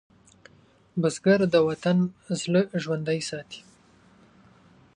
بزګر د وطن زړه ژوندی ساتي